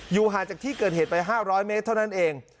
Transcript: ห่างจากที่เกิดเหตุไป๕๐๐เมตรเท่านั้นเอง